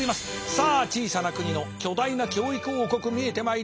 さあ小さな国の巨大な教育王国見えてまいりました。